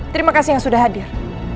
terima kasih yang sudah hadir